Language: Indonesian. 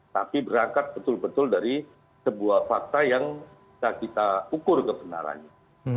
tapi berangkat betul betul dari sebuah fakta yang bisa kita ukur kebenarannya